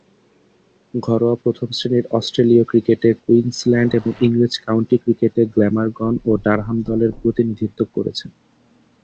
ঘরোয়া প্রথম-শ্রেণীর অস্ট্রেলীয় ক্রিকেটে কুইন্সল্যান্ড এবং ইংরেজ কাউন্টি ক্রিকেটে গ্ল্যামারগন ও ডারহাম দলের প্রতিনিধিত্ব করেছেন।